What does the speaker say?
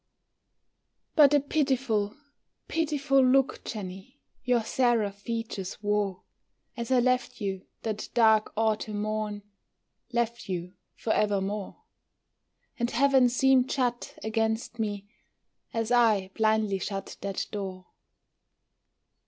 But a pitiful, pitiful look, Jenny, Your seraph features wore, As I left you that dark autumn morn, Left you forevermore; And heaven seemed shut against me As I blindly shut that door.